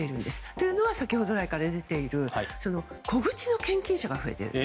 というのは、先ほど来から出ている、小口の献金者が増えていると。